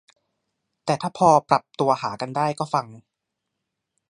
แต่ถ้าพอปรับตัวหากันได้ก็ฟัง